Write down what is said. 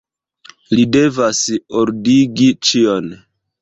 Li devas ordigi ĉion.